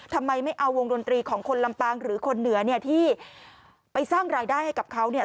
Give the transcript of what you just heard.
ทำไมไม่เอาวงดนตรีของคนลำปางหรือคนเหนือเนี่ยที่ไปสร้างรายได้ให้กับเขาเนี่ย